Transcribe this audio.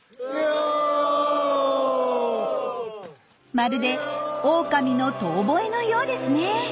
まるでオオカミの遠ぼえのようですね。